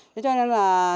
thế cho nên là